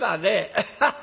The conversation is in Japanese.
アハハハ！